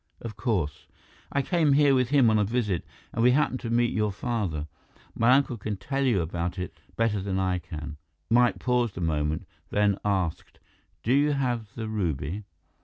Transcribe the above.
"Of course." "I came here with him on a visit, and we happened to meet your father. My uncle can tell you about it, better than I can." Mike paused a moment, then asked: "Do you have the ruby?"